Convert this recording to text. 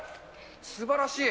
すばらしい。